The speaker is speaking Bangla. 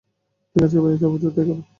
ঠিক আছে ভাইয়া, যা বুঝো তাই করো।